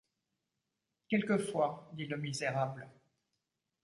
Quelquefois, dit le misérable.